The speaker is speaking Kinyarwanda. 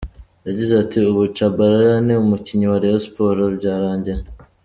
Yagize ati “Ubu Tchabalala ni umukinnyi wa Rayon Sports, byarangiye.